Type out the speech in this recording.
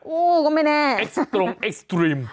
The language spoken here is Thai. อู้ก็ไม่แน่เอ็กซ์ตรงเอ็กซ์ตรีม